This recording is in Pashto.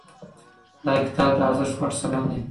دا کتاب د ارزښت وړ سند دی.